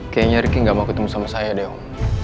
kayanya riki gak mau ketemu sama saya deh om